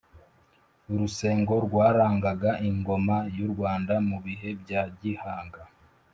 Urusengo rwarangaga ingoma y’u Rwanda, mu bihe bya Gihanga,